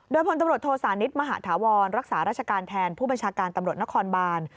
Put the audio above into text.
โดยพลตำรวจโทษานิทมหาธาวรรักษาราชการแทนผู้บัญชาการตำรวจนครบาน